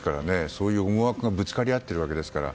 そういう思惑がぶつかり合っているわけですから。